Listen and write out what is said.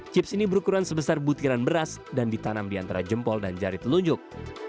chips ini berukuran sebesar butiran beras dan ditanam di antara jempol dan jari telunjuk